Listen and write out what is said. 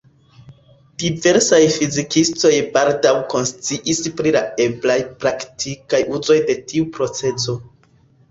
Diversaj fizikistoj baldaŭ konsciis pri la eblaj praktikaj uzoj de tiu procezo.